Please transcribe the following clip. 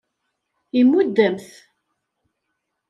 Imudd-am-t.